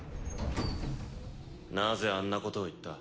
なぜあんなことを言った？